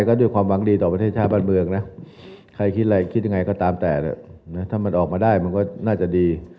ก็คงเป็นเรื่องของการประมูลใหม่